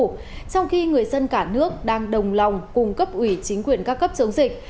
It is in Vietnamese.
trong khi người dân cả nước đang đồng lòng cung cấp ủy chính quyền ca cấp chống dịch